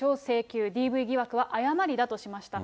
ＤＶ疑惑は誤りだとしました。